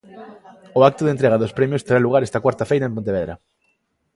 O acto de entrega dos premios terá lugar esta cuarta feira en Pontevedra.